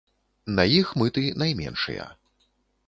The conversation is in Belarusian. На іх мыты найменшыя.